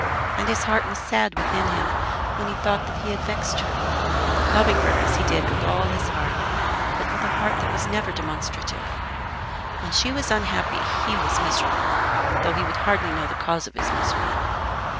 And his heart was sad within him when he thought that he had vexed her, loving her as he did with all his heart, but with a heart that was never demonstrative. When she was unhappy he was miserable, though he would hardly know the cause of his misery.